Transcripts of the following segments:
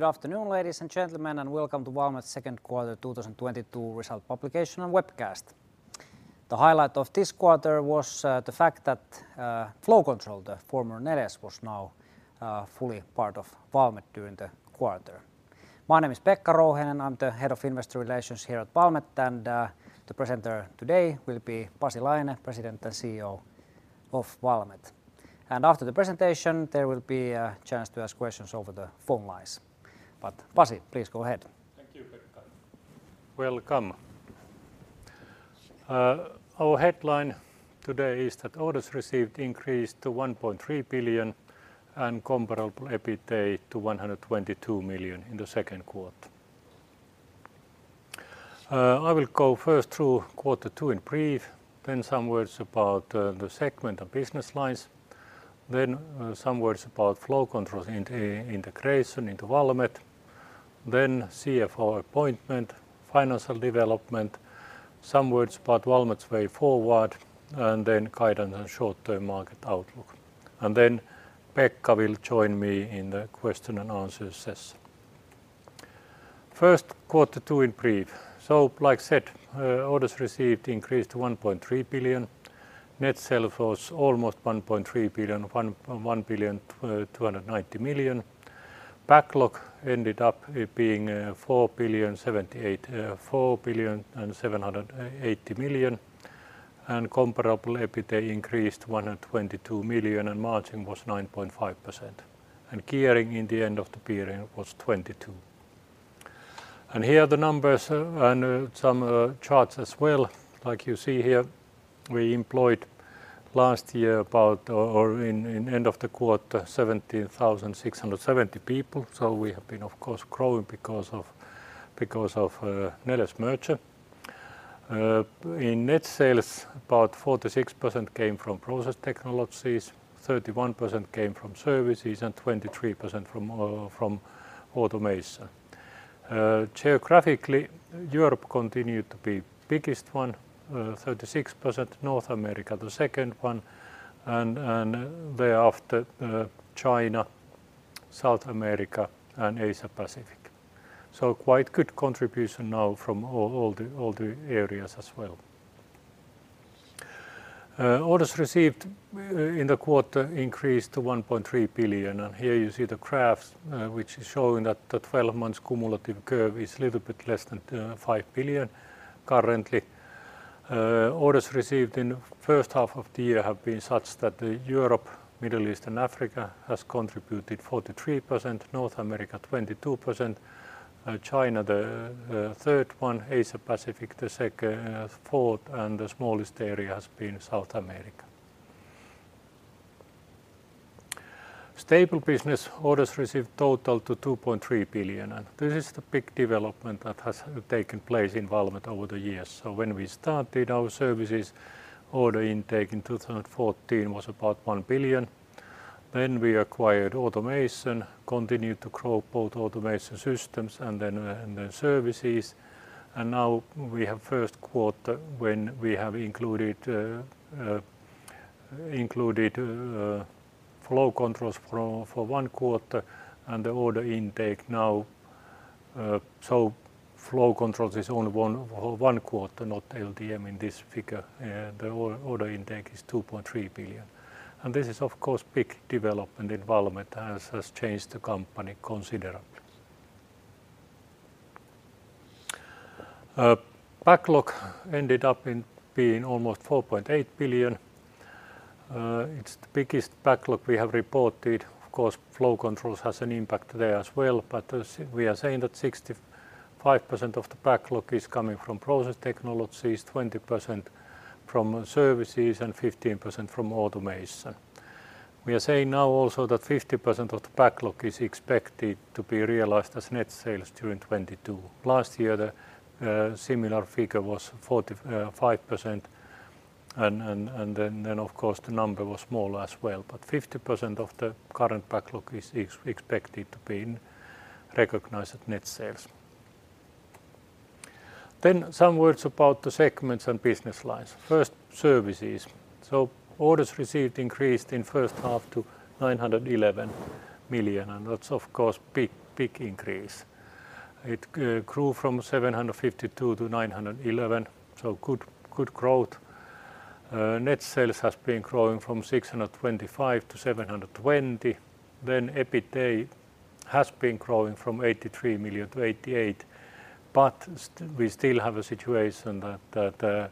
Good afternoon, ladies and gentlemen, and welcome to Valmet Second Quarter 2022 results publication and webcast. The highlight of this quarter was the fact that Flow Control, the former Neles, was now fully part of Valmet during the quarter. My name is Pekka Rouhiainen. I'm the head of investor relations here at Valmet, and the presenter today will be Pasi Laine, President and CEO of Valmet. After the presentation, there will be a chance to ask questions over the phone lines. Pasi, please go ahead. Thank you, Pekka. Welcome. Our headline today is that orders received increased to 1.3 billion and comparable EBITA to 122 million in the second quarter. I will go first through quarter two in brief, then some words about the segment and business lines, then some words about Flow Control's integration into Valmet, then CFO appointment, financial development, some words about Valmet's way forward, and then guidance and short-term market outlook. Then Pekka will join me in the question and answer session. First, quarter two in brief. Like said, orders received increased to 1.3 billion. Net sales was almost 1.3 billion, one billion two hundred ninety million. Backlog ended up being four billion seventy-eight, four billion and seven hundred eighty million. Comparable EBITA increased to 122 million, and margin was 9.5%. Gearing in the end of the period was 22. Here are the numbers, and some charts as well. Like you see here, we employed in end of the quarter 17,670 people. We have been, of course, growing because of Neles merger. In net sales, about 46% came from Process Technologies, 31% came from Services, and 23% from Automation. Geographically, Europe continued to be biggest one, 36%, North America the second one, and thereafter, China, South America, and Asia-Pacific. Quite good contribution now from all the areas as well. Orders received in the quarter increased to 1.3 billion. Here you see the graphs, which is showing that the 12-month cumulative curve is little bit less than 5 billion currently. Orders received in first half of the year have been such that Europe, Middle East, and Africa has contributed 43%, North America 22%, China the third one, Asia-Pacific the fourth, and the smallest area has been South America. Services business orders received total to 2.3 billion. This is the big development that has taken place in Valmet over the years. When we started our Services, order intake in 2014 was about 1 billion. We acquired Automation, continued to grow both Automation Systems and then Services. Now we have first quarter when we have included Flow Control for one quarter and the order intake now, Flow Control is only one quarter, not LTM in this figure. The order intake is 2.3 billion. This is of course big development in Valmet which has changed the company considerably. Backlog ended up being almost 4.8 billion. It's the biggest backlog we have reported. Of course, Flow Control has an impact there as well, but we are saying that 65% of the backlog is coming from Process Technologies, 20% from Services, and 15% from Automation. We are saying now also that 50% of the backlog is expected to be realized as net sales during 2022. Last year the similar figure was 45% and then of course the number was smaller as well. 50% of the current backlog is expected to be recognized in net sales. Some words about the segments and business lines. First, Services. Orders received increased in first half to 911 million, and that's of course big increase. It grew from 752 million to 911 million, so good growth. Net sales has been growing from 625 million to 720 million. EBITA has been growing from 83 million to 88 million, but we still have a situation that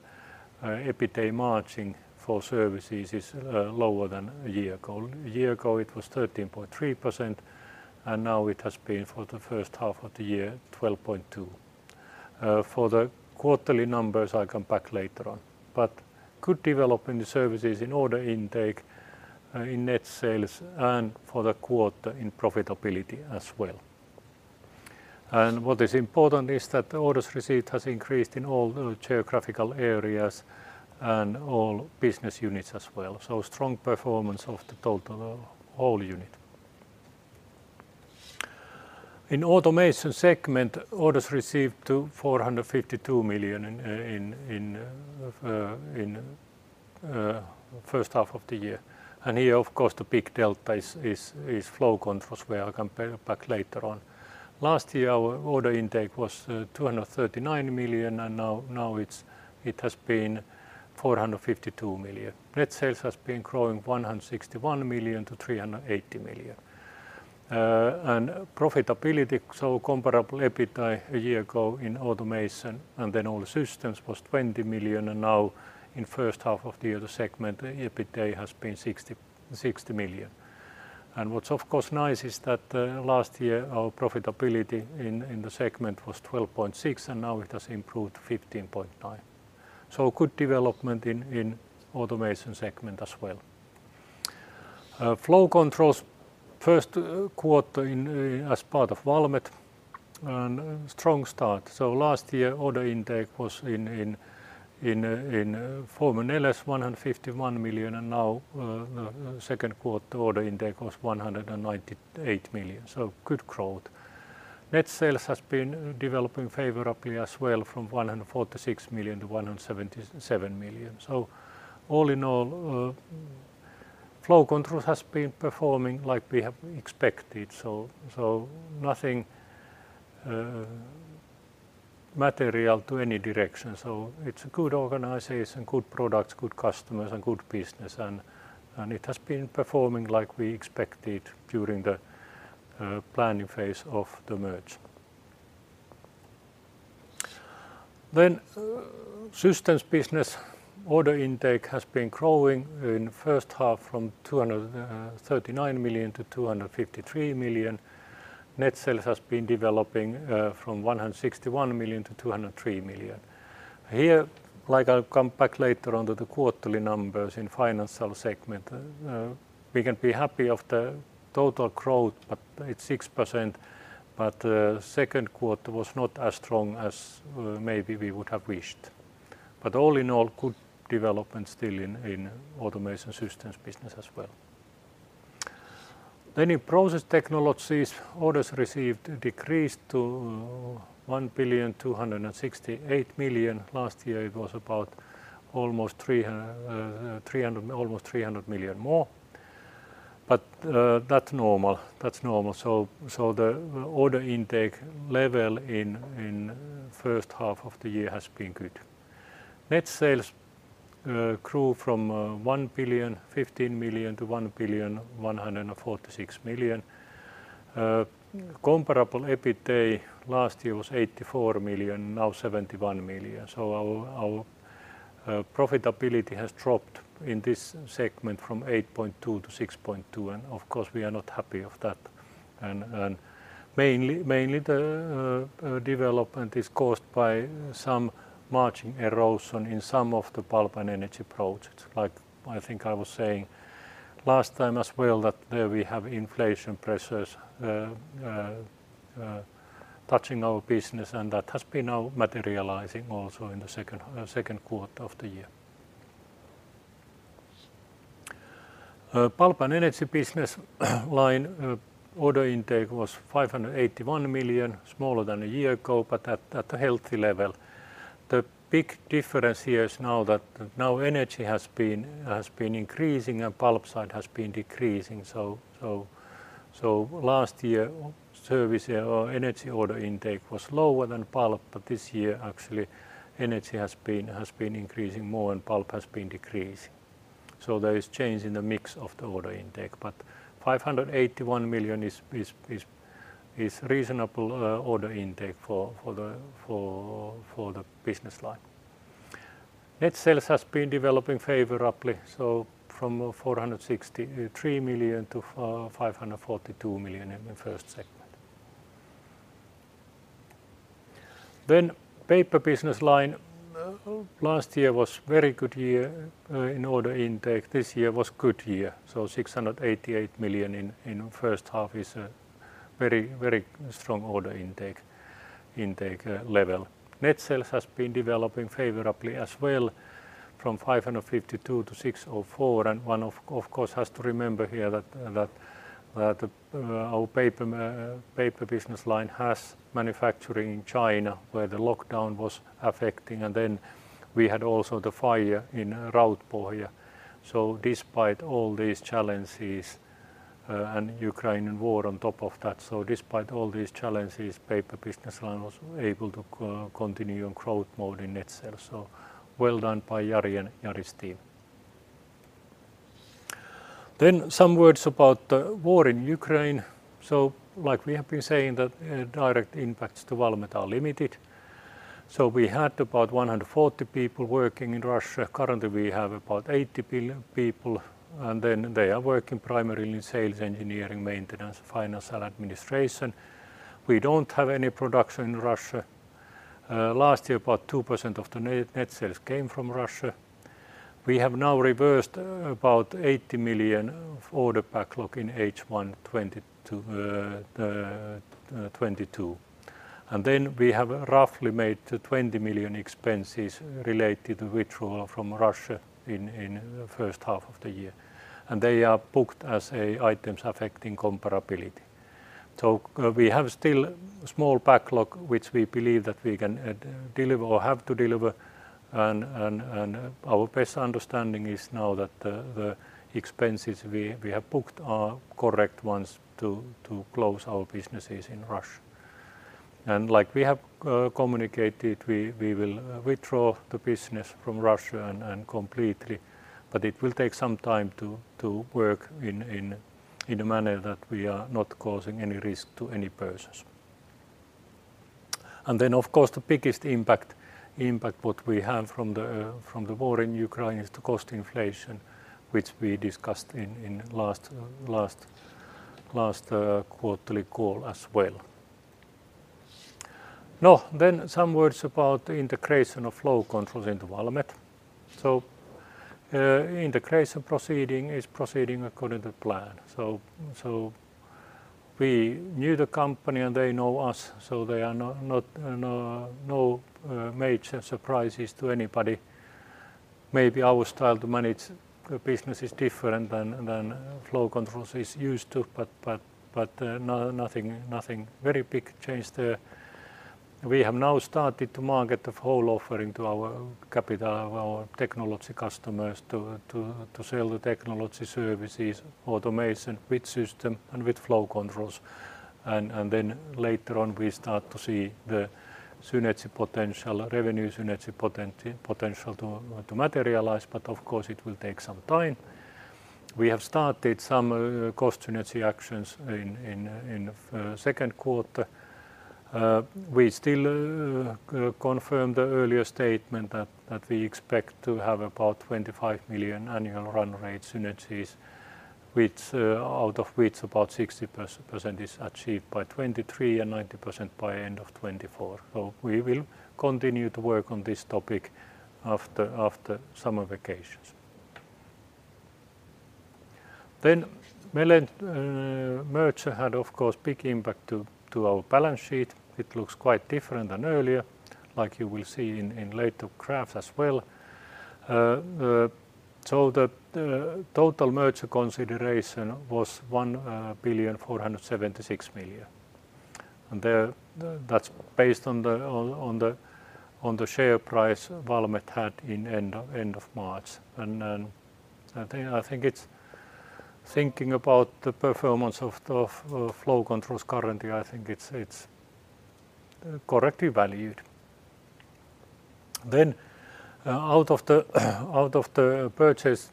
EBITA margin for Services is lower than a year ago. A year ago it was 13.3%, and now it has been for the first half of the year, 12.2%. For the quarterly numbers, I'll come back later on. Good development in Services in order intake, in net sales, and for the quarter in profitability as well. What is important is that the orders received has increased in all the geographical areas and all business units as well. Strong performance of the total, whole unit. In Automation segment, orders received to 452 million in first half of the year. Here, of course, the big delta is Flow Control where I compare back later on. Last year, our order intake was 239 million, and now it's 452 million. Net sales has been growing 161 million to 380 million. Profitability, comparable EBITA a year ago in Automation Systems was 20 million, and now in first half of the year, the segment EBITA has been 60 million. What's of course nice is that, last year our profitability in the segment was 12.6%, and now it has improved to 15.9%. Good development in Automation segment as well. Flow Control's first quarter, as part of Valmet, strong start. Last year order intake was in former Neles EUR 151 million, and now second quarter order intake was EUR 198 million. Good growth. Net sales has been developing favorably as well from EUR 146 million to EUR 177 million. All in all, Flow Control has been performing like we have expected. Nothing material to any direction. It's a good organization, good products, good customers and good business and it has been performing like we expected during the planning phase of the merger. Systems business order intake has been growing in first half from 239 million to 253 million. Net sales has been developing from 161 million to 203 million. Here, like I'll come back later on to the quarterly numbers in financial segment, we can be happy of the total growth, but it's 6%, but second quarter was not as strong as maybe we would have wished. All in all, good development still in Automation Systems business as well. In Process Technologies, orders received decreased to 1,268 million. Last year it was about almost three hundred million more. That's normal. The order intake level in first half of the year has been good. Net sales grew from 1,015 million to 1,146 million. Comparable EBITA last year was 84 million, now 71 million. Our profitability has dropped in this segment from 8.2%-6.2%, and of course we are not happy of that. Mainly the development is caused by some margin erosion in some of the pulp and energy projects. Like I think I was saying last time as well that there we have inflation pressures touching our business and that has been now materializing also in the second quarter of the year. Pulp and Energy business line order intake was 581 million, smaller than a year ago, but at a healthy level. The big difference here is now that now energy has been increasing and pulp side has been decreasing. Last year Services or energy order intake was lower than pulp, but this year actually energy has been increasing more and pulp has been decreasing. There is change in the mix of the order intake. 581 million is reasonable order intake for the business line. Net sales has been developing favorably, from 463 million to 542 million in the first half. Paper business line, last year was very good year in order intake. This year was good year, 688 million in first half is a very strong order intake level. Net sales has been developing favorably as well from 552 million to 604 million. One of course has to remember here that our Paper business line has manufacturing in China where the lockdown was affecting, and then we had also the fire in Rautpohja. Despite all these challenges and the war in Ukraine on top of that, Paper business line was able to continue on growth mode in net sales. Well done by Jari and Jari's team. Some words about the war in Ukraine. Like we have been saying that direct impacts to Valmet are limited. We had about 140 people working in Russia. Currently, we have about 80 people, and then they are working primarily in sales, engineering, maintenance, finance, and administration. We don't have any production in Russia. Last year about 2% of the net sales came from Russia. We have now reversed about 80 million of order backlog in H1 2022. We have roughly made 20 million expenses related to withdrawal from Russia in first half of the year. They are booked as items affecting comparability. We technology Services, Automation Systems and Flow Control. Then later on we start to see the synergy potential, revenue synergy potential to materialize, but of course it will take some time. We have started some cost synergy actions in second quarter. We still confirm the earlier statement that we expect to have about EUR 25 million annual run rate synergies which out of which about 60% is achieved by 2023 and 90% by end of 2024. We will continue to work on this topic after summer vacations. Neles merger had of course big impact to our balance sheet. It looks quite different than earlier, like you will see in later graphs as well. The total merger consideration was 1.476 billion. That's based on the share price Valmet had at the end of March. Thinking about the performance of the Flow Control currently, I think it's correctly valued. Out of the purchase,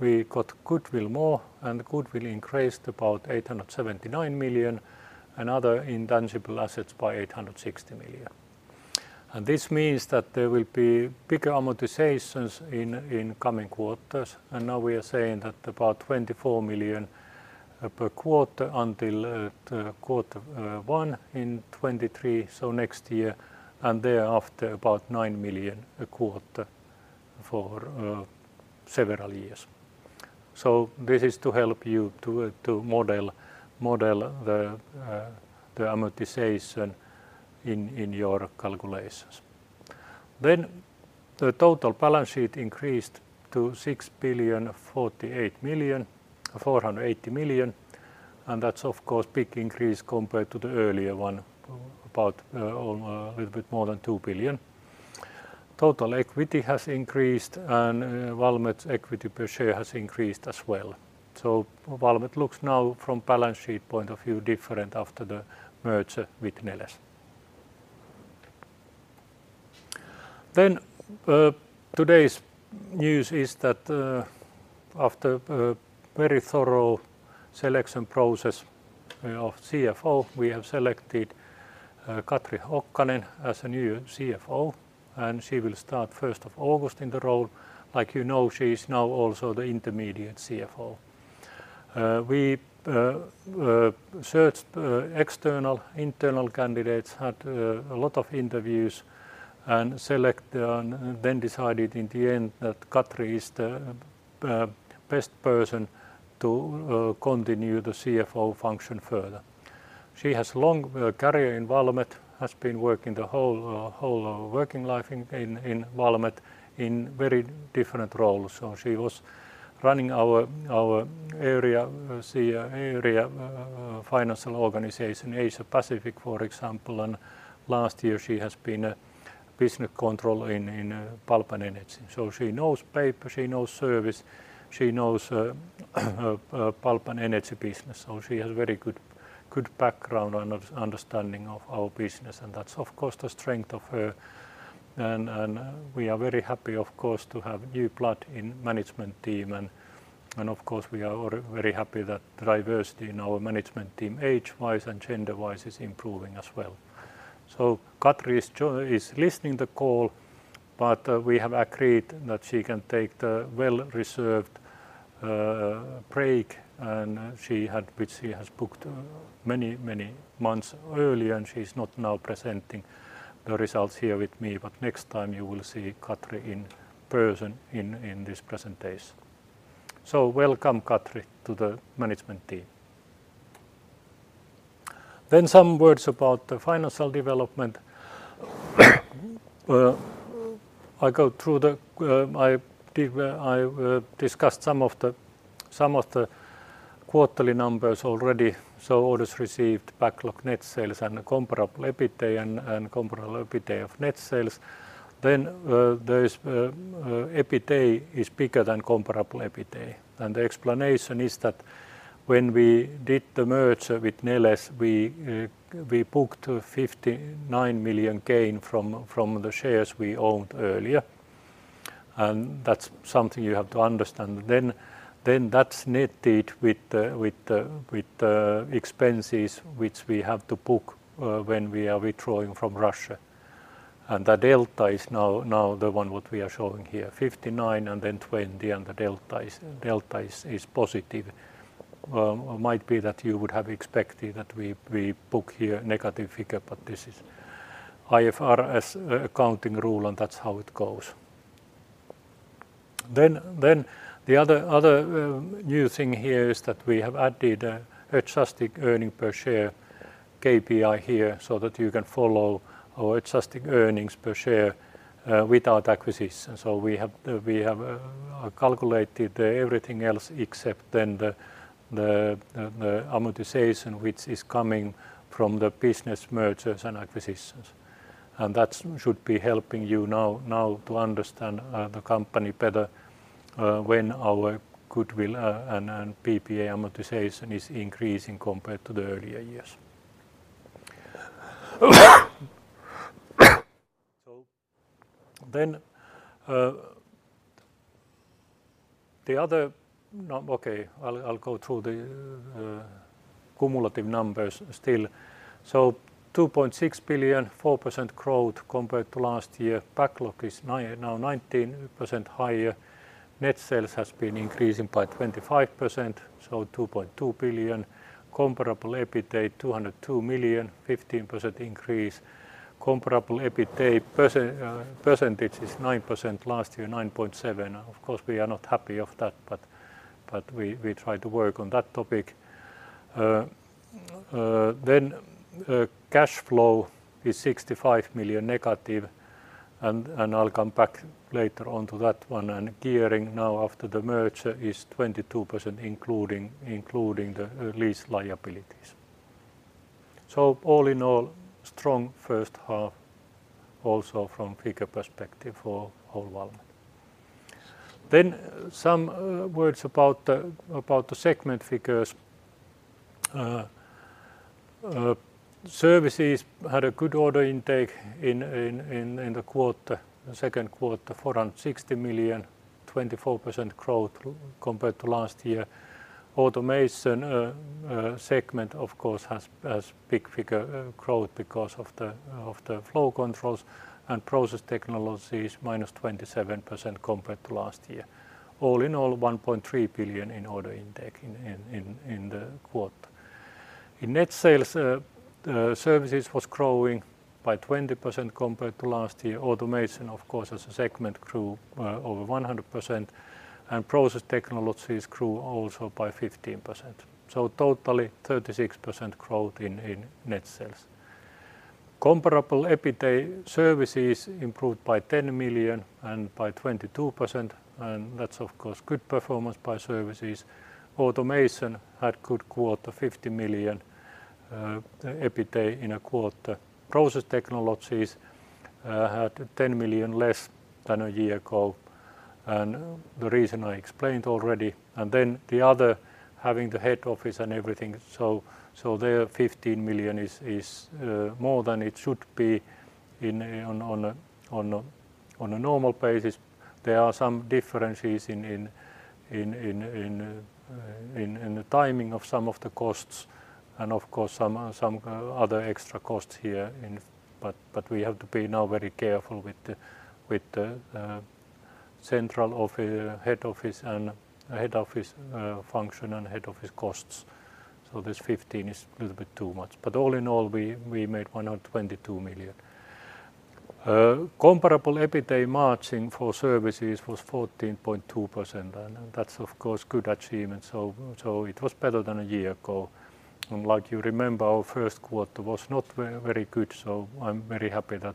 we got more goodwill, and the goodwill increased about 879 million and other intangible assets by 860 million. This means that there will be bigger amortizations in coming quarters. Now we are saying that about 24 million per quarter until quarter one in 2023, so next year, and thereafter about 9 million a quarter for several years. This is to help you to model the amortization in your calculations. The total balance sheet increased to 6.528 billion, and that's of course big increase compared to the earlier one, about a little bit more than 2 billion. Total equity has increased and Valmet's equity per share has increased as well. Valmet looks now from balance sheet point of view different after the merger with Neles. Today's news is that after a very thorough selection process of CFO, we have selected Katri Hokkanen as a new CFO, and she will start first of August in the role. Like you know, she is now also the interim CFO. We searched external, internal candidates, had a lot of interviews and then decided in the end that Katri is the best person to continue the CFO function further. She has long career in Valmet, has been working the whole working life in Valmet in very different roles. She was running our area, C area financial organization, Asia-Pacific, for example. Last year she has been a Business Controller in Pulp and Energy. She knows paper, she knows service, she knows Pulp and Energy business. She has very good background and understanding of our business, and that's of course the strength of her. We are very happy of course to have new blood in management team. We are very happy that diversity in our management team age-wise and gender-wise is improving as well. Katri is listening the call, but we have agreed that she can take the well-deserved break, and which she has booked many months earlier, and she's not now presenting the results here with me. Next time you will see Katri in person in this presentation. Welcome, Katri, to the management team. Some words about the financial development. I discussed some of the quarterly numbers already. Orders received, backlog, net sales and comparable EBITA and comparable EBITA of net sales. There is EBITA is bigger than comparable EBITA. The explanation is that when we did the merger with Neles, we booked a 59 million gain from the shares we owned earlier. That's something you have to understand. That's netted with the expenses which we have to book when we are withdrawing from Russia. The delta is now the one what we are showing here, 59 and then 20 and the delta is positive. Might be that you would have expected that we book here negative figure, but this is IFRS accounting rule, and that's how it goes. The other new thing here is that we have added an adjusted earnings per share KPI here so that you can follow our adjusted earnings per share without acquisitions. We have calculated everything else except the amortization which is coming from the business mergers and acquisitions. That should be helping you now to understand the company better when our goodwill and PPA amortization is increasing compared to the earlier years. I'll go through the cumulative numbers still. 2.6 billion, 4% growth compared to last year. Backlog is now 19% higher. Net sales has been increasing by 25%, so 2.2 billion. Comparable EBITA, 202 million, 15% increase. Comparable EBITA percentage is 9% last year, 9.7%. Of course, we are not happy of that, but we try to work on that topic. Cash flow is 65 million negative and I'll come back later on to that one. Gearing now after million less than a year ago, and the reason I explained already. Then the other having the head office and everything, their EUR 15 million is more than it should be on a normal basis. There are some differences in the timing of some of the costs and of course some other extra costs here in. We have to be now very careful with the central office head office and head office function and head office costs. This 15% is a little bit too much. All in all, we made EUR 122 million. Comparable EBITA margin for Services was 14.2%, and that's of course good achievement. It was better than a year ago. Like you remember, our first quarter was not very good, so I'm very happy that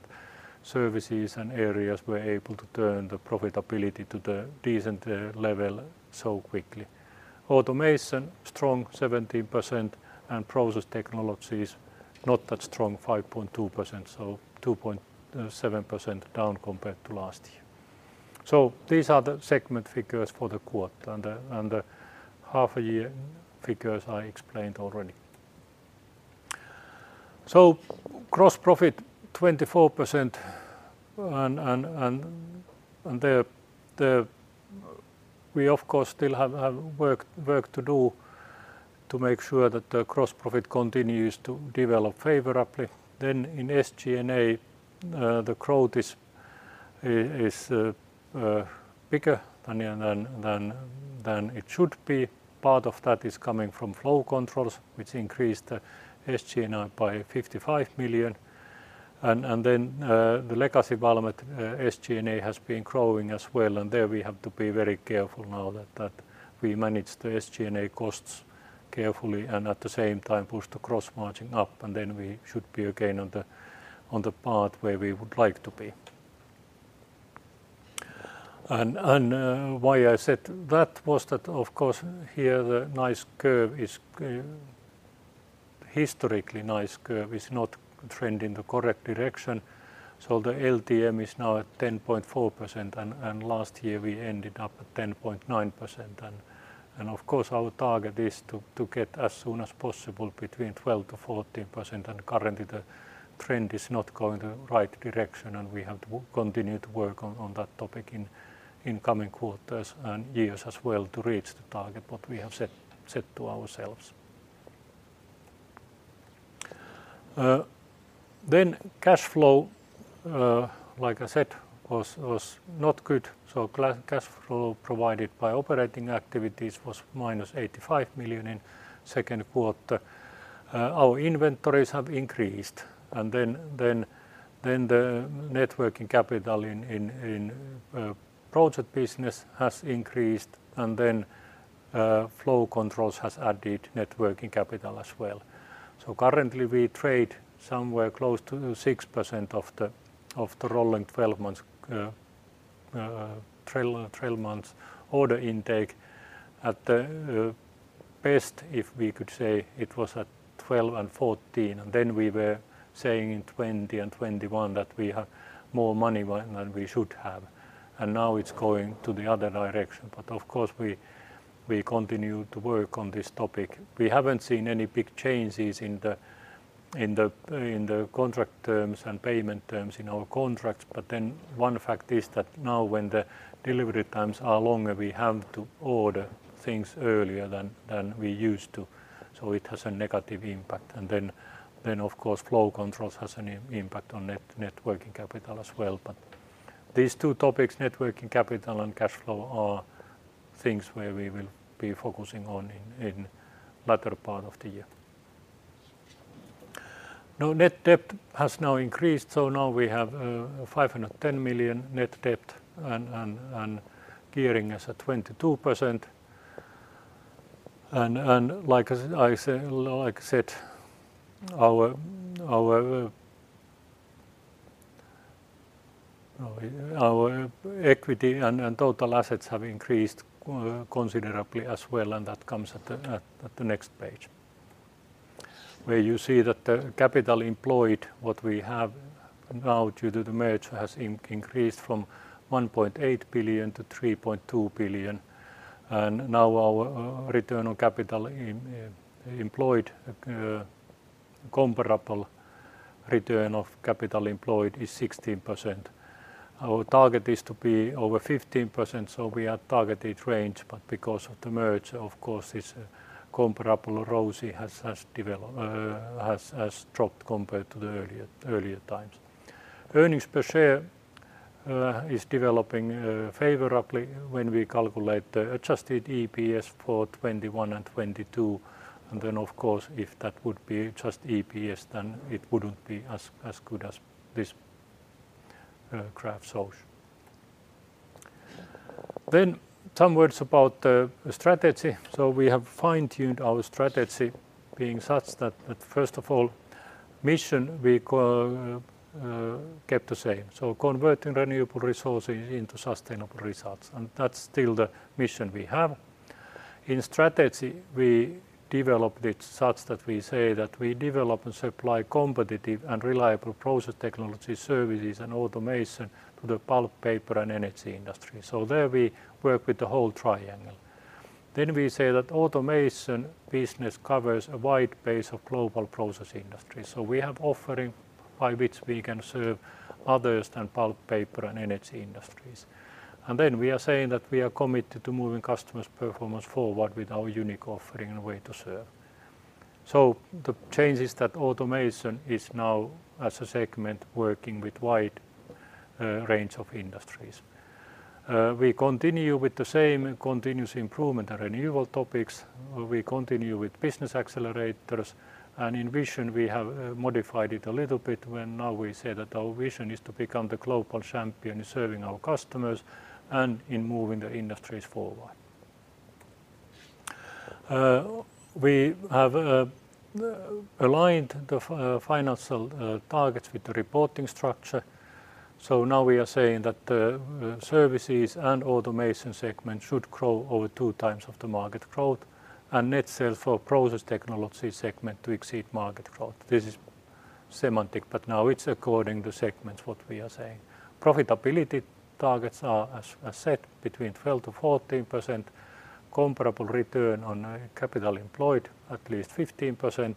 Services and areas were able to turn the profitability to the decent level so quickly. Automation, strong 17%, and Process Technologies, not that strong, 5.2%, so 2.7% down compared to last year. These are the segment figures for the quarter and the half a year figures I explained already. Gross profit 24%. We of course still have work to do to make sure that the gross profit continues to develop favorably. In SG&A, the growth is bigger than it should be. Part of that is coming from Flow Control, which increased the SG&A by EUR 55 million. The legacy Valmet SG&A has been growing as well, and there we have to be very careful now that we manage the SG&A costs carefully and at the same time push the gross margin up, and then we should be again on the path where we would like to be. Why I said that was that of course here the historical curve is not trending the correct direction. The LTM is now at 10.4% and last year we ended up at 10.9%. Of course our target is to get as soon as possible between 12%-14% and currently the trend is not going the right direction and we have to continue to work on that topic in coming quarters and years as well to reach the target what we have set to ourselves. Cash flow, like I said, was not good. Cash flow provided by operating activities was -85 million in second quarter. Our inventories have increased and then the net working capital in project business has increased and then Flow Control has added net working capital as well. Currently we trade somewhere close to 6% of the rolling 12 months order intake. At the best if we could say it was at 12 and 14, and then we were saying in 2020 and 2021 that we have more money than we should have. Now it's going to the other direction. Of course we continue to work on this topic. We haven't seen any big changes in the contract terms and payment terms in our contracts. Then one fact is that now when the delivery times are longer, we have to order things earlier than we used to. It has a negative impact. Then of course Flow Control has an impact on net working capital as well. These two topics, net working capital and cash flow, are things where we will be focusing on in latter part of the year. Net debt has increased, so we have 510 million net debt and gearing is at 22%. Like I said, our equity and total assets have increased considerably as well and that comes at the next page. You see that the capital employed what we have now due to the merger has increased from 1.8 billion to 3.2 billion. Our Return on Capital Employed, comparable Return on Capital Employed is 16%. Our target is to be over 15%, so we are targeted range, but because of the merger of course this comparable ROCE has dropped compared to the earlier times. Earnings per share is developing favorably when we calculate the adjusted EPS for 2021 and 2022. Of course, if that would be just EPS, then it wouldn't be as good as this graph shows. Some words about the strategy. We have fine-tuned our strategy being such that first of all mission we kept the same. Converting renewable resources into sustainable results, and that's still the mission we have. In strategy, we developed it such that we say that we develop and supply competitive and reliable Process Technology, Services and Automation to the pulp, paper, and energy industry. There we work with the whole triangle. We say that Automation business covers a wide base of global process industry. We have offering by which we can serve other than pulp, paper, and energy industries. We are saying that we are committed to moving customers' performance forward with our unique offering and way to serve. The change is that Automation is now as a segment working with wide range of industries. We continue with the same continuous improvement and renewal topics. We continue with business accelerators. And in vision we have modified it a little bit when now we say that our vision is to become the global champion in serving our customers and in moving the industries forward. We have aligned the financial targets with the reporting structure. Now we are saying that the Services and Automation segment should grow over two times of the market growth and net sales for Process Technology segment to exceed market growth. This is semantic, but now it's according to segments what we are saying. Profitability targets are as said between 12%-14% comparable Return on Capital Employed at least 15%.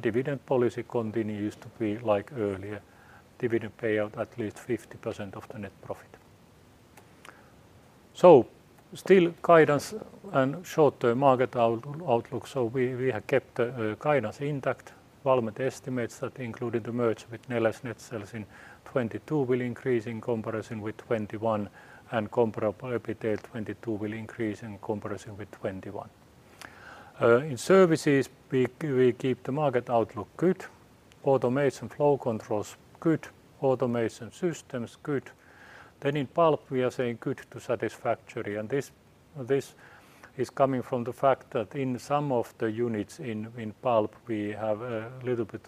Dividend policy continues to be like earlier dividend payout at least 50% of the net profit. Still guidance and short-term market outlook. We have kept guidance intact. Valmet estimates that, including the merger with Neles. Net sales in 2022 will increase in comparison with 2021. Comparable EBITA in 2022 will increase in comparison with 2021. In Services we keep the market outlook good. Automation flow controls good. Automation systems good. In Pulp we are saying Good to Satisfactory. This is coming from the fact that in some of the units in pulp we have a little bit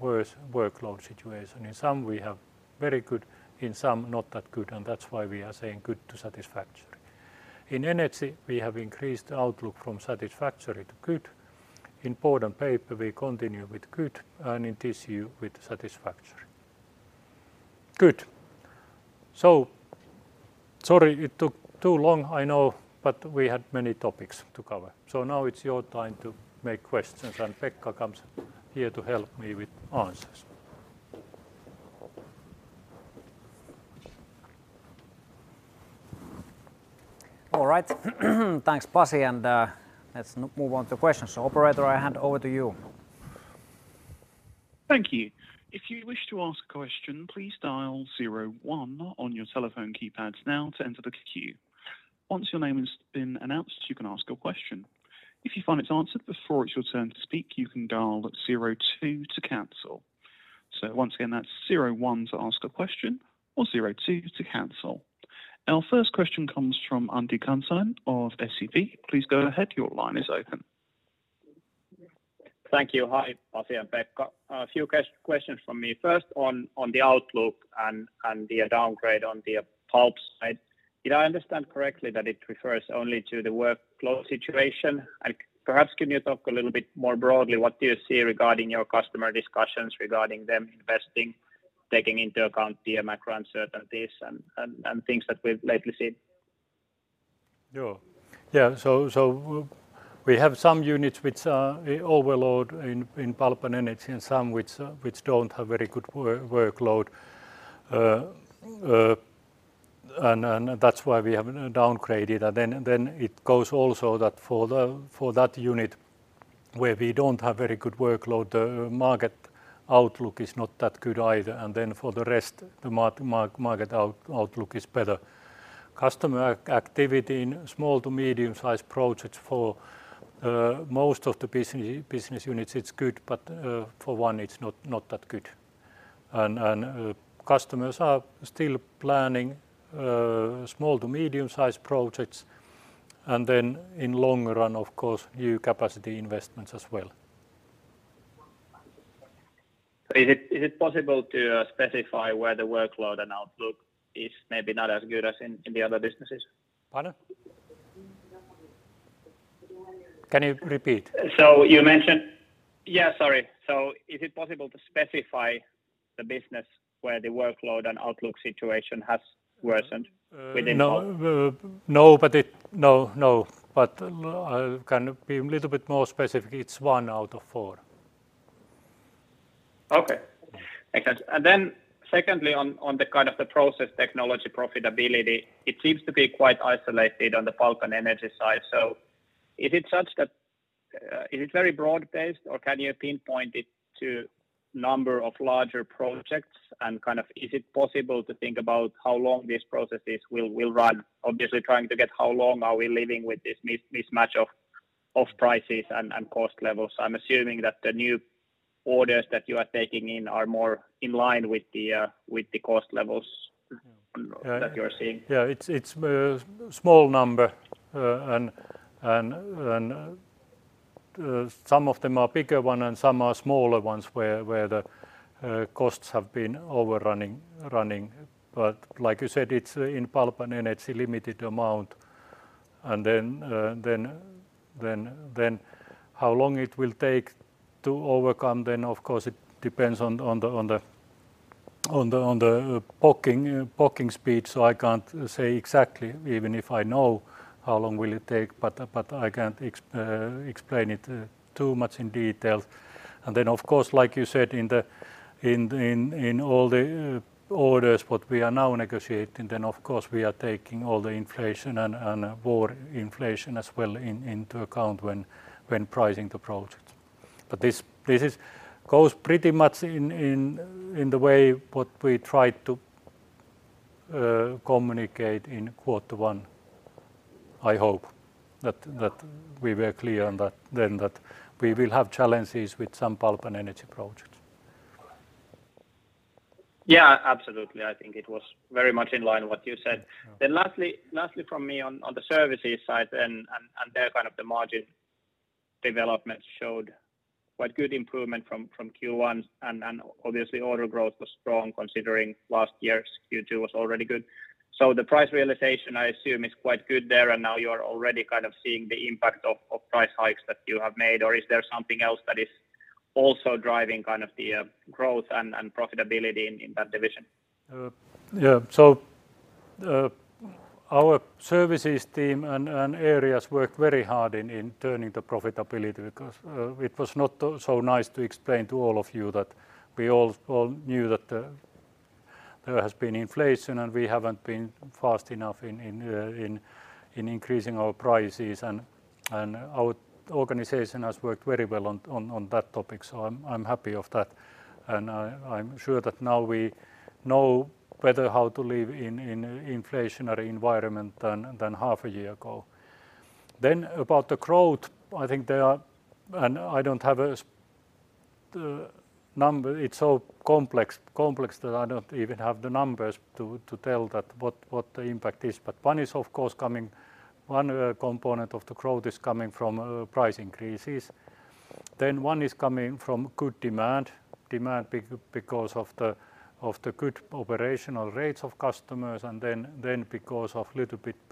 worse workload situation. In some we have very good, in some not that good, and that's why we are saying Good to Satisfactory. In energy, we have increased outlook from satisfactory to good. In Board and Paper, we continue with good, and in tissue with satisfactory. Good. Sorry it took too long I know, but we had many topics to cover. Now it's your time to make questions, and Pekka comes here to help me with answers. All right. Thanks Pasi, and let's move on to questions. Operator, I hand over to you. Thank you. If you wish to ask a question, please dial zero one on your telephone keypads now to enter the queue. Once your name has been announced, you can ask your question. If you find it's answered before it's your turn to speak, you can dial zero two to cancel. Once again, that's zero one to ask a question or zero two to cancel. Our first question comes from Antti Kansanen of SEB. Please go ahead, your line is open. Thank you. Hi Pasi and Pekka. A few questions from me. First on the outlook and the downgrade on the Pulp side. Did I understand correctly that it refers only to the workflow situation? Perhaps can you talk a little bit more broadly what you see regarding your customer discussions regarding them investing, taking into account the macro uncertainties and things that we've lately seen? Yeah, so we have some units which are overloaded in Pulp and Energy and some which don't have very good workload. That's why we have downgraded. Then it goes also that for that unit where we don't have very good workload, the market outlook is not that good either. For the rest, the market outlook is better. Customer activity in small to medium-sized projects for most of the business units is good, but for one it's not that good. Customers are still planning small to medium-sized projects, and then in long run of course new capacity investments as well. Is it possible to specify where the workload and outlook is maybe not as good as in the other businesses? Pardon? Can you repeat? Is it possible to specify the business where the workload and outlook situation has worsened within? No, no. I can be a little bit more specific. It's one out of four. Okay. Makes sense. Then secondly on the kind of the Process Technology profitability, it seems to be quite isolated on the Pulp and Energy side. Is it such that is it very broad-based, or can you pinpoint it to number of larger projects? Kind of is it possible to think about how long these processes will run? Obviously trying to get how long are we living with this mismatch of prices and cost levels. I'm assuming that the new orders that you are taking in are more in line with the cost levels. Yeah that you're seeing. Yeah. It's a small number, and some of them are bigger one and some are smaller ones where the costs have been overrunning. Like you said, it's in Pulp and Energy, limited amount. How long it will take to overcome then of course it depends on the pacing speed, so I can't say exactly even if I know how long will it take, but I can't explain it too much in detail. Of course like you said in all the orders what we are now negotiating, then of course we are taking all the inflation and war inflation as well into account when pricing the project. This is. Goes pretty much in the way what we try to communicate in quarter one. I hope that we were clear on that then that we will have challenges with some pulp and energy projects. Yeah, absolutely. I think it was very much in line what you said. Yeah. Lastly from me on the Services side and there kind of the margin developments showed quite good improvement from Q1, and then obviously order growth was strong considering last year's Q2 was already good. So the price realization I assume is quite good there, and now you are already kind of seeing the impact of price hikes that you have made, or is there something else that is also driving kind of the growth and profitability in that division? Yeah. Our Services team and areas worked very hard in turning the profitability because it was not so nice to explain to all of you that we all knew that there That's very clear. Thank you. Thank you. Our next question comes from the line of Daniel Schmidt of Danske Bank. Please go ahead, your line is open. Thank you. I have two questions. Just to follow up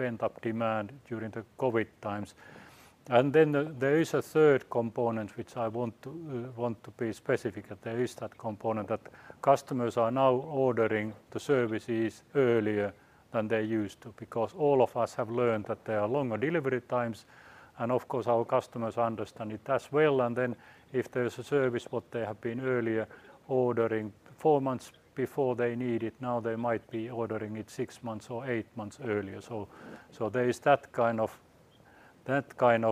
on the Process Technology margins.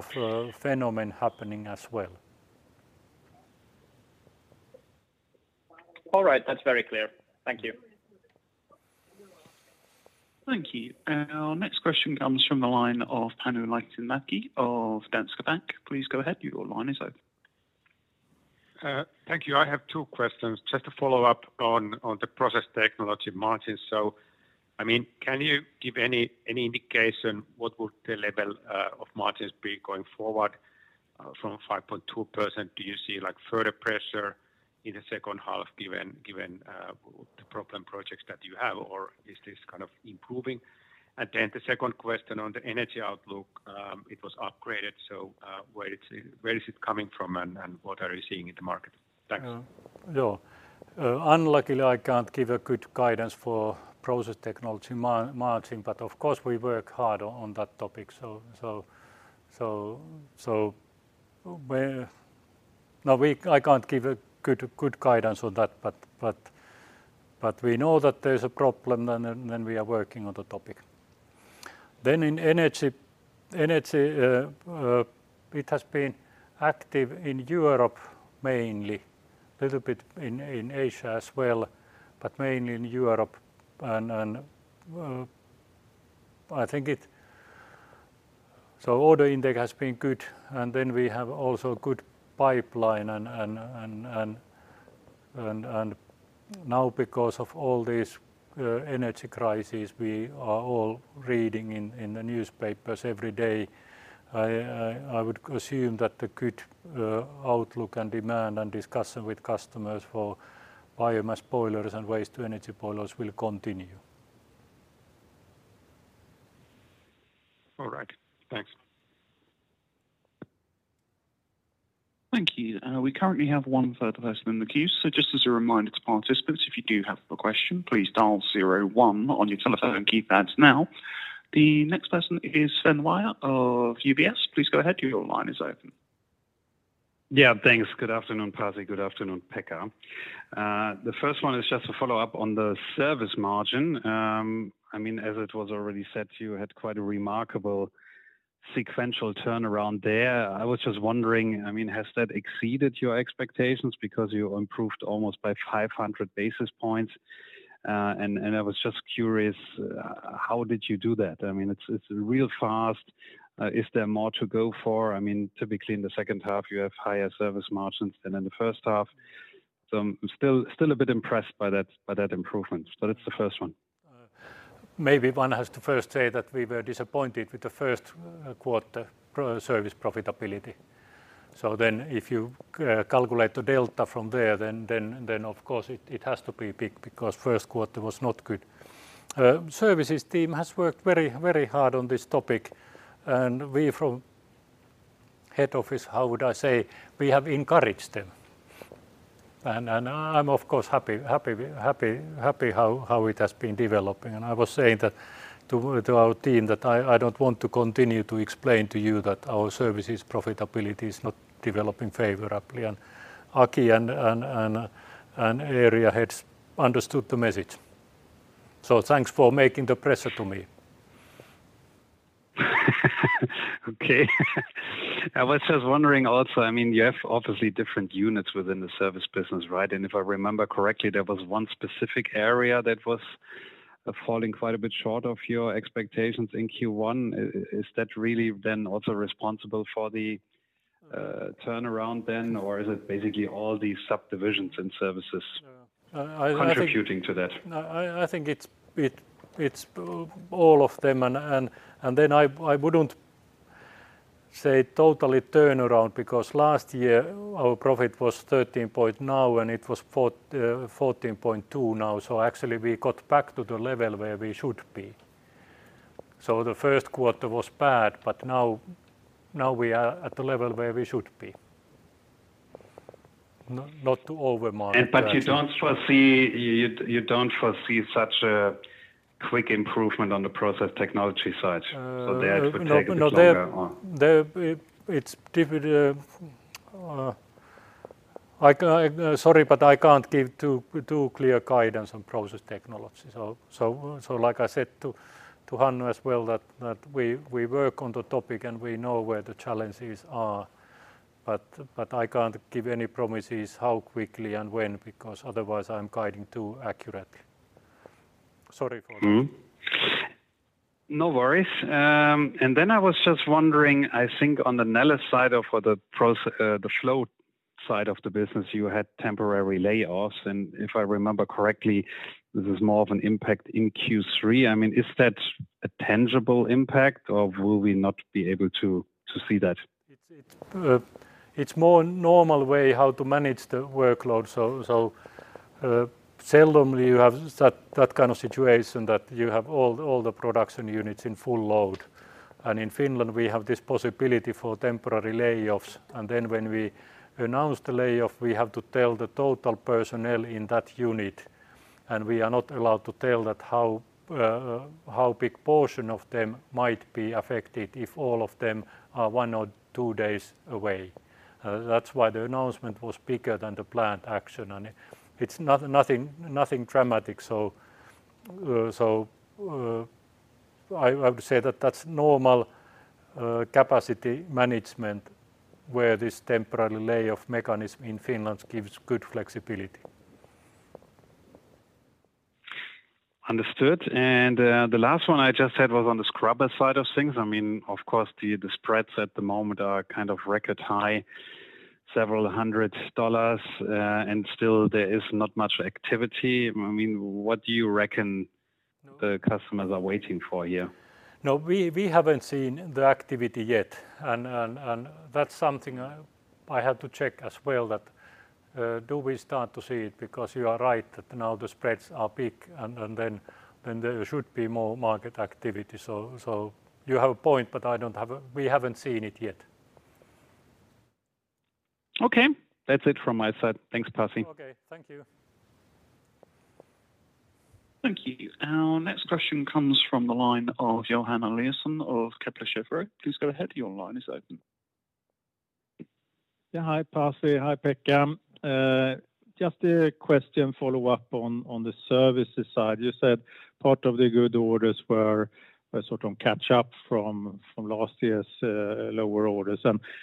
I mean, can you give any indication what the level of margins would be going forward from 5.2%? Do you see like further pressure in the second half given the problem projects that you have, or is this kind of improving? Then the second question on the energy outlook, it was upgraded. Where is it coming from, and what are you seeing in the market? Thanks. Unluckily, I can't give a good guidance for Process Technology margin, but of course we work hard on that topic. I can't give a good guidance on that, but we know that Process Technology a problem and then we are working on the topic. In energy, it has been active in Europe mainly, little bit in Asia as well, but mainly in Europe. Order intake has been good, and we have also good pipeline and now because of all this energy crisis we are all reading in the newspapers every day, I would assume that the good outlook and demand and discussion with customers for biomass boilers and waste to energy boilers will continue. All right. Thanks. Thank you. We currently have one further person in the queue. Just as a reminder to participants, if you do have a question, please dial zero one on your telephone keypads now. The next person is Sven Weier of UBS. Please go ahead, your line is open. Yeah. Thanks. Good afternoon, Pasi. Good afternoon, Pekka. The first one is just a follow-up on the service margin. I mean, as it was already said to you, had quite a remarkable sequential turnaround there. I was just wondering, I mean, has that exceeded your expectations because you improved almost by 500 basis points? And I was just curious, how did you do that? I mean, it's real fast. Is there more to go for? I mean, typically in the second half you have higher service margins than in the first half. I'm still a bit impressed by that improvement. That's the first one. Maybe one has to first say that we were disappointed with the first quarter poor Services profitability. If you calculate the delta from there, then of course it has to be big because first quarter was not good. Services team has worked very hard on this topic, and we from head office, how would I say, we have encouraged them. I'm of course happy how it has been developing. I was saying that to our team that I don't want to continue to explain to you that our Services profitability is not developing favorably. Aki and area heads understood the message. Thanks for making the pressure to me. Okay. I was just wondering also, I mean, you have obviously different units within the service business, right? If I remember correctly, there was one specific area that was falling quite a bit short of your expectations in Q1. Is that really then also responsible for the turnaround then or is it basically all these subdivisions and Services? Yeah. I think- Contributing to that? No, I think it's all of them and then I wouldn't say totally turnaround because last year our profit was 13% and it was 14.2% now. Actually we got back to the level where we should be. The first quarter was bad, but now we are at the level where we should be. Not to overmarket the action. You don't foresee such a quick improvement on the Process Technology side? Uh. There it could take a bit longer or. No. Sorry, but I can't give too clear guidance on Process Technology. Like I said to Daniel as well, that we work on the topic and we know where the challenges are, but I can't give any promises how quickly and when because otherwise I'm guiding too accurately. Sorry for that. No worries. I was just wondering, I think on the Neles side of the flow side of the business you had temporary layoffs, and if I remember correctly, this is more of an impact in Q3. I mean, is that a tangible impact or will we not be able to see that? It's more normal way how to manage the workload. Seldom you have that kind of situation that you have all the production units in full load. In Finland, we have this possibility for temporary layoffs. Then when we announce the layoff, we have to tell the total personnel in that unit, and we are not allowed to tell that how big portion of them might be affected if all of them are one or two days away. That's why the announcement was bigger than the planned action. It's nothing dramatic. I would say that that's normal capacity management where this temporary layoff mechanism in Finland gives good flexibility. Understood. The last one I just had was on the scrubber side of things. I mean, of course, the spreads at the moment are kind of record high, several hundred dollars, and still there is not much activity. I mean, what do you reckon the customers are waiting for here? No, we haven't seen the activity yet. That's something I had to check as well that do we start to see it? Because you are right that now the spreads are big and then there should be more market activity. You have a point, but we haven't seen it yet. Okay. That's it from my side. Thanks, Pasi. Okay. Thank you. Thank you. Our next question comes from the line of Johan Eliasson of Kepler Cheuvreux. Please go ahead. Your line is open. Yeah. Hi, Pasi. Hi, Pekka. Just a question follow up on the Services side. You said part of the good orders were a sort of catch up from last year's lower orders.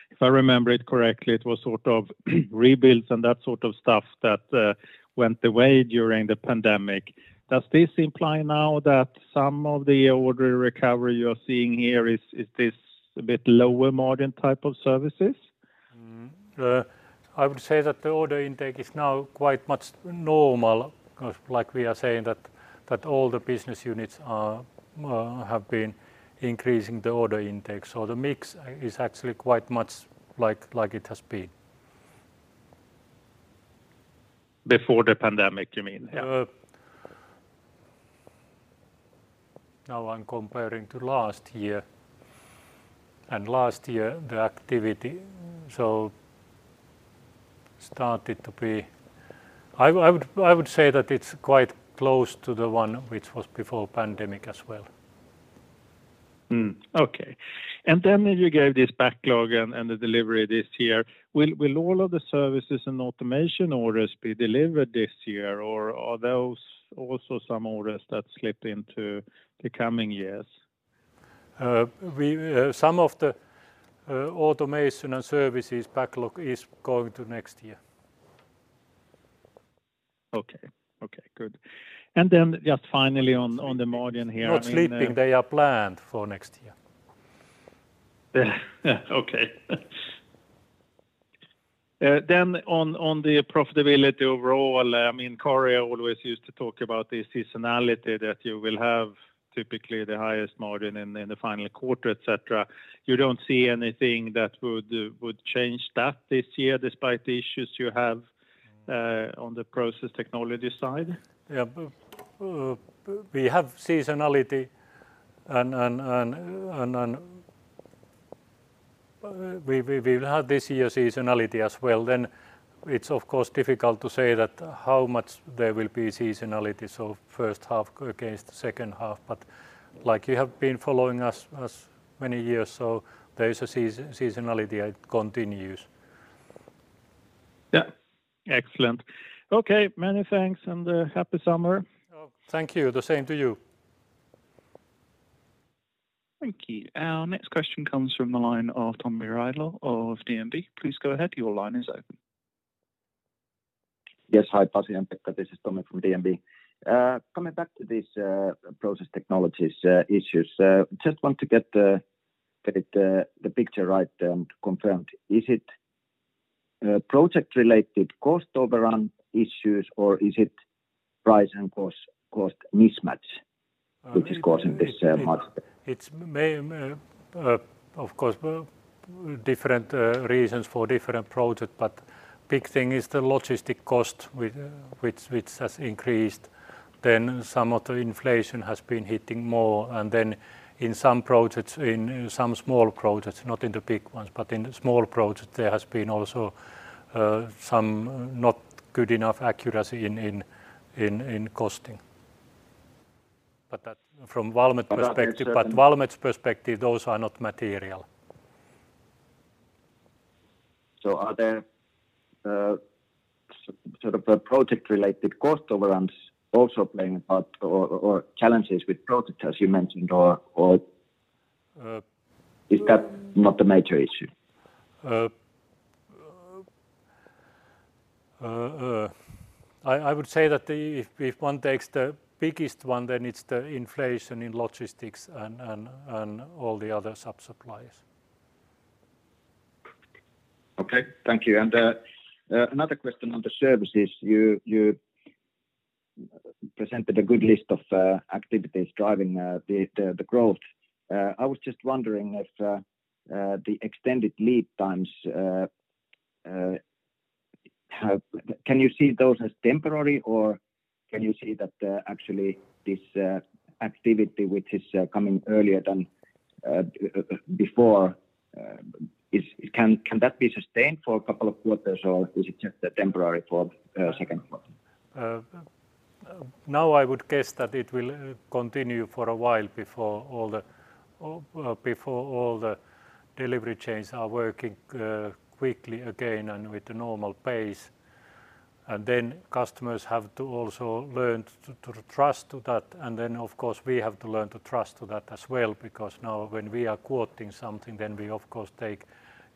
If I remember it correctly, it was sort of rebuilds and that sort of stuff that went away during the pandemic. Does this imply now that some of the order recovery you're seeing here is this a bit lower margin type of Services? I would say that the order intake is now quite much normal, like we are saying that all the business units have been increasing the order intake. The mix is actually quite much like it has been. Before the pandemic, you mean? Yeah. Now I'm comparing to last year. Last year the activity so started to be. I would say that it's quite close to the one which was before pandemic as well. Okay. Then you gave this backlog and the delivery this year. Will all of the Services and Automation orders be delivered this year, or are those also some orders that slipped into the coming years? Some of the Automation and Services backlog is going to next year. Okay. Okay, good. Just finally on the margin here, I mean. Not slipping. They are planned for next year. Okay. On the profitability overall, I mean, Kari always used to talk about the seasonality that you will have typically the highest margin in the final quarter, et cetera. You don't see anything that would change that this year despite the issues you have on the Process Technology side? We have seasonality and we've had this year seasonality as well. It's of course difficult to say that how much there will be seasonality, so first half against second half. Like you have been following us many years, so there is a seasonality. It continues. Yeah. Excellent. Okay. Many thanks and happy summer. Oh, thank you. The same to you. Thank you. Our next question comes from the line of Tomi Railo of DNB. Please go ahead. Your line is open. Hi, Pasi and Pekka. This is Tomi from DNB. Coming back to this Process Technologies issues. Just want to get the picture right and confirmed. Is it project-related cost overrun issues or is it price and cost mismatch which is causing this margin? It's of course different reasons for different project, but big thing is the logistics cost which has increased. Some of the inflation has been hitting more. In some projects, in some small projects, not in the big ones, but in small projects there has been also some not good enough accuracy in costing. That from Valmet perspective. But that- Valmet's perspective, those are not material. Are there sort of a project-related cost overruns also playing a part or challenges with projects as you mentioned or? Uh- Is that not the major issue? I would say that if one takes the biggest one, then it's the inflation in logistics and all the other sub-suppliers. Okay. Thank you. Another question on the Services. You presented a good list of activities driving the growth. I was just wondering if the extended lead times can you see those as temporary or can you see that actually this activity which is coming earlier than before can that be sustained for a couple of quarters or is it just a temporary for second quarter? Now I would guess that it will continue for a while before all the delivery chains are working quickly again and with the normal pace. Then customers have to also learn to trust to that and then, of course, we have to learn to trust to that as well because now when we are quoting something then we of course take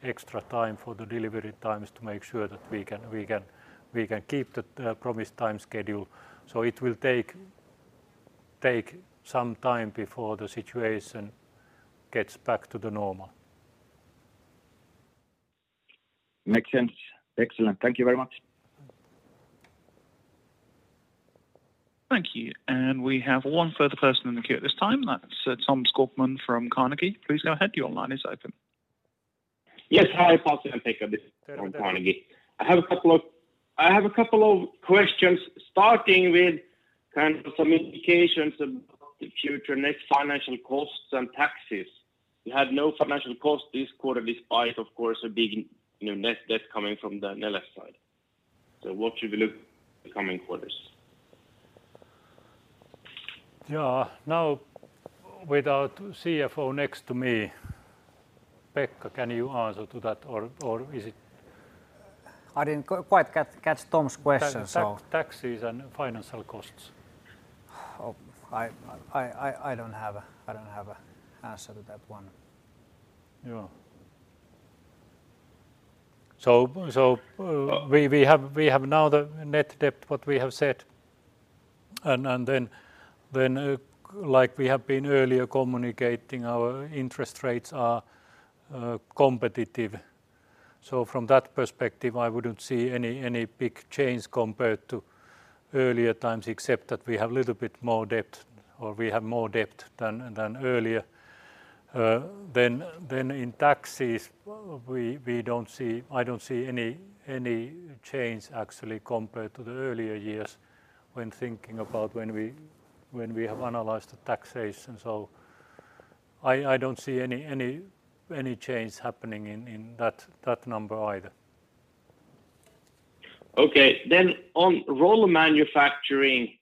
extra time for the delivery times to make sure that we can keep the promised time schedule. It will take some time before the situation gets back to the normal. Makes sense. Excellent. Thank you very much. Thank you. We have one further person in the queue at this time. That's Tom Skogman from Carnegie. Please go ahead. Your line is open. Yes. Hi, Pasi and Pekka. This is Tom from Carnegie. I have a couple of questions starting with kind of some indications about the future net financial costs and taxes. You had no financial cost this quarter despite of course a big, you know, net debt coming from the Neles side. What should we look for the coming quarters? Yeah. Now without CFO next to me, Pekka, can you answer to that or is it? I didn't quite catch Tom's question, so. Taxes and financial costs. Oh, I don't have an answer to that one. Yeah. We have now the net debt what we have said and then like we have been earlier communicating our interest rates are competitive. From that perspective, I wouldn't see any big change compared to earlier times except that we have a little bit more debt or we have more debt than earlier. In taxes we don't see. I don't see any change actually compared to the earlier years when thinking about we have analyzed the taxation. I don't see any change happening in that number either. Okay. On roll manufacturing,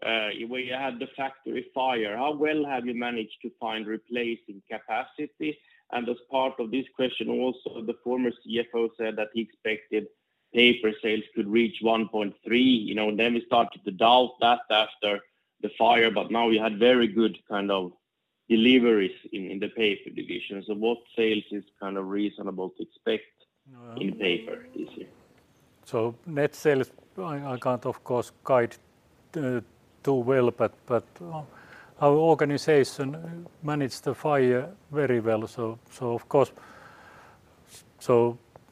where you had the factory fire, how well have you managed to find replacing capacity? As part of this question also the former CFO said that he expected paper sales could reach 1.3, you know, then we started to doubt that after the fire, but now we had very good kind of deliveries in the paper division. What sales is kind of reasonable to expect? Yeah in Paper this year? Net sales I can't of course guide too well but our organization managed the fire very well.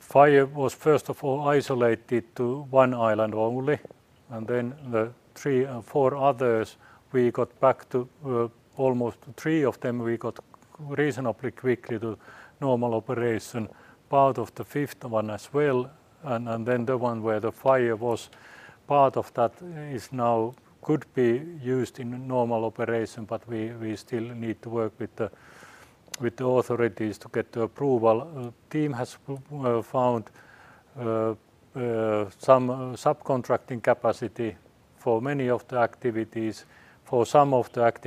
Fire was first of all isolated to one island only and then the three, four others we got back to almost. Three of them we got reasonably quickly to normal operation. Part of the fifth one as well and then the one where the fire was, part of that is now could be used in a normal operation but we still need to work with the authorities to get the approval. Team has found some subcontracting capacity for many of the activities. For some of the activities we still need to work on. to solve all the delivery issues but I have to give a lot of credit to Paper business line in managing the situation, so they have done very good work. Sorry then, I can't give exact estimate for the net sales. If I understand right, the fire is not really holding back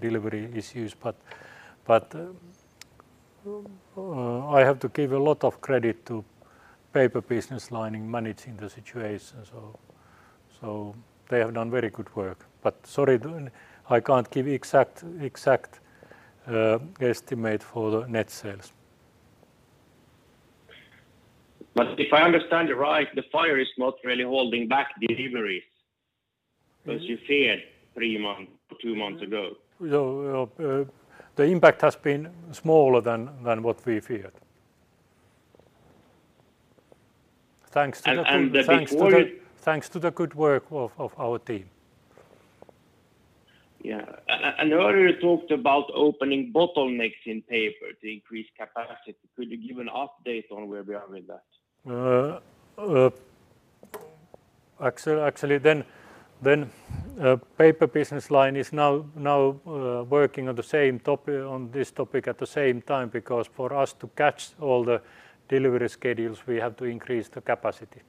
deliveries. Mm-hmm as you feared 3 months or 2 months ago. No, the impact has been smaller than what we feared. Thanks to the. And, and before- Thanks to the good work of our team. Earlier you talked about opening bottlenecks in paper to increase capacity. Could you give an update on where we are with that? Actually, Paper business line is now working on the same topic at the same time because for us to catch all the delivery schedules we have to increase the capacity.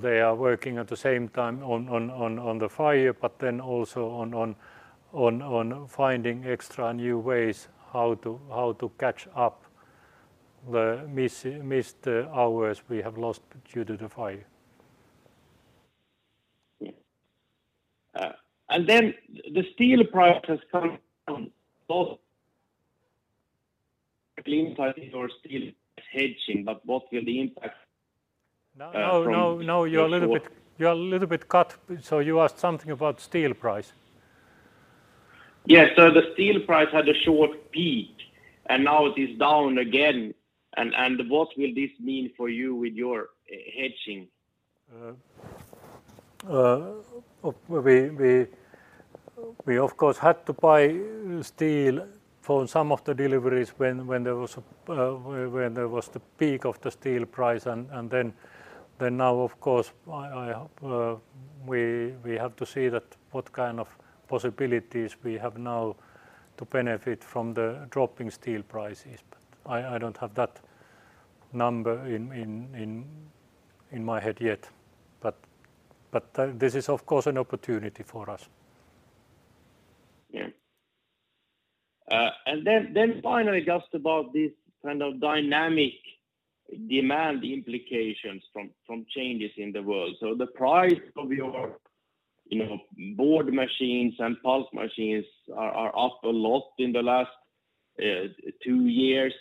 They are working at the same time on the fire but then also on finding extra new ways how to catch up the missed hours we have lost due to the fire. Yes. The steel price has come down but our steel hedging, but what will the impact? No, no. from You're a little bit cut, so you asked something about steel price. The steel price had a short peak, and now it is down again. What will this mean for you with your hedging? We of course had to buy steel for some of the deliveries when there was the peak of the steel price and then now of course we have to see that what kind of possibilities we have now to benefit from the dropping steel prices. I don't have that number in my head yet. This is of course an opportunity for us. Finally just about this kind of dynamic demand implications from changes in the world. The price of your, you know, board machines and pulp machines are up a lot in the last two years.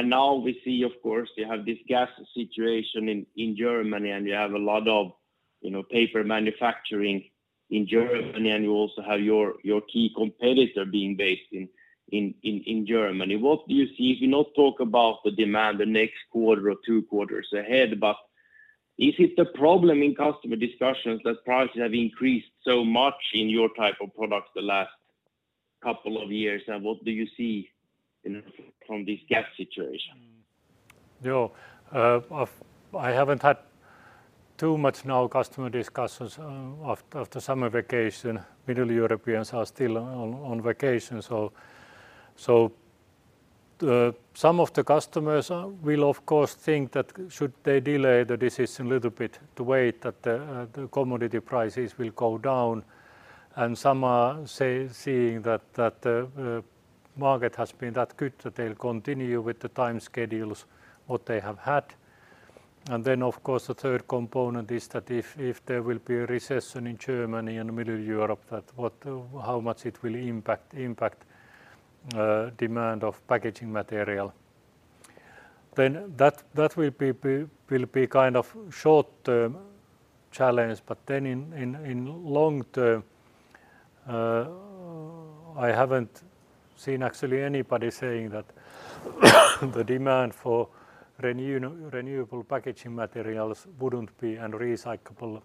Now we see, of course, you have this gas situation in Germany and you have a lot of, you know, paper manufacturing in Germany, and you also have your key competitor being based in Germany. What do you see if you not talk about the demand the next quarter or two quarters ahead, but is it a problem in customer discussions that prices have increased so much in your type of products the last couple of years, and what do you see from this gas situation? I haven't had too much customer discussions now after summer vacation. Middle Europeans are still on vacation. Some of the customers will of course think that should they delay the decision little bit to wait that the commodity prices will go down, and some are seeing that the market has been that good that they'll continue with the time schedules what they have had. Of course the third component is that if there will be a recession in Germany and Middle Europe, how much it will impact demand of packaging material, then that will be kind of short-term challenge. In long term, I haven't seen actually anybody saying that the demand for renewable packaging materials wouldn't be. Recyclable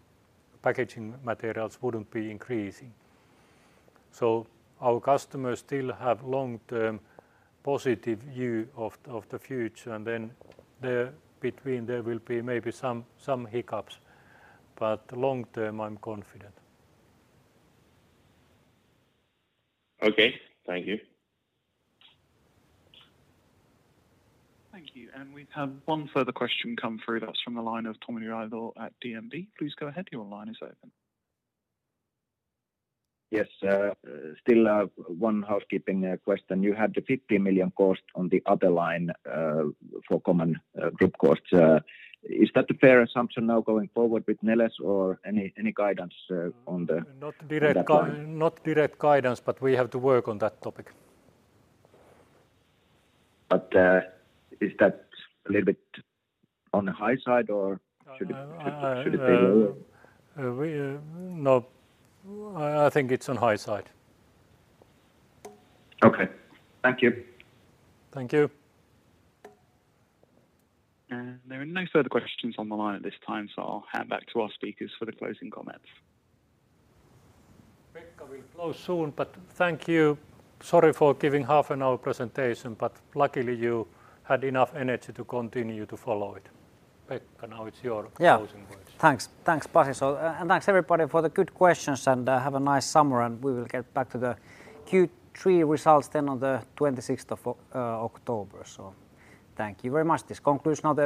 packaging materials wouldn't be increasing. Our customers still have long-term positive view of the future, and then there will be maybe some hiccups, but long term I'm confident. Okay. Thank you. Thank you. We've had one further question come through. That's from the line of Tomi Railo at DNB. Please go ahead. Your line is open. Yes. Still have one housekeeping question. You had the 50 million cost on the other line for common group costs. Is that a fair assumption now going forward with Neles or any guidance on the- Not direct.... Not direct guidance, but we have to work on that topic. Is that a little bit on the high side or should it- Uh, uh Should it be lower? No. I think it's on high side. Okay. Thank you. Thank you. There are no further questions on the line at this time, so I'll hand back to our speakers for the closing comments. Pekka, we close soon, but thank you. Sorry for giving half an hour presentation, but luckily you had enough energy to continue to follow it. Pekka, now it's your- Yeah closing words. Thanks. Thanks, Pasi. Thanks everybody for the good questions, and have a nice summer and we will get back to the Q3 results then on the 26th of October. Thank you very much. This concludes now the-